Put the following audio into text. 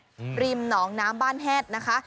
ริมหนองน้ำบ้านแฮดนะคะ